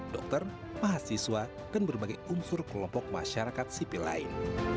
dokter mahasiswa dan berbagai unsur kelompok masyarakat sipil lain